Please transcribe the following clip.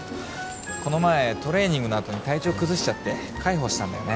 この前トレーニングのあとに体調崩しちゃって介抱したんだよね